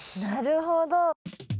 なるほど。